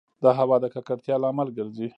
د هــوا د ککــړتـيـا لامـل ګـرځـي